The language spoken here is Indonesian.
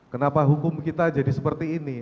kenapa hukum kita jadi seperti ini